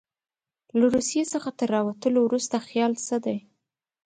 له روسیې څخه تر راوتلو وروسته خیال څه دی.